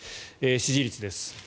支持率です。